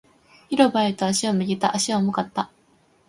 広場へと足を向けた。足は重かった。